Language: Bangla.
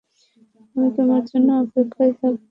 আমি তোমার জন্য অপেক্ষায় থাকবো।